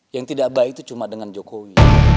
yang tidak abai itu cuma dengan jokowi